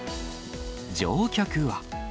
乗客は。